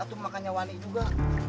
atuh makanya wangi juga